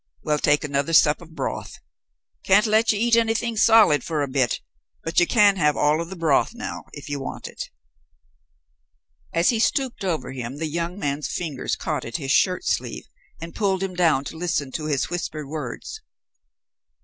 Well, take another sup of broth. Can't let you eat anything solid for a bit, but you can have all of the broth now if you want it." As he stooped over him the young man's fingers caught at his shirt sleeve and pulled him down to listen to his whispered words.